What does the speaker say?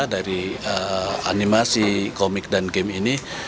dari animasi komik dan game ini